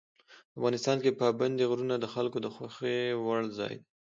افغانستان کې پابندي غرونه د خلکو د خوښې وړ ځای دی.